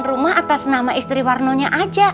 rumah atas nama istri warnonya aja